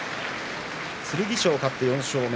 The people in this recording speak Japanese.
剣翔、勝って４勝目。